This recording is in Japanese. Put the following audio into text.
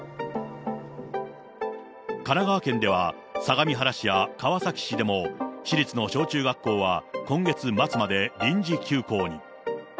神奈川県では相模原市や川崎市でも市立の小中学校は今月末まで臨時休校に。